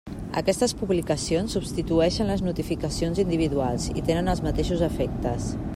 Aquestes publicacions substitueixen les notificacions individuals i tenen els mateixos efectes.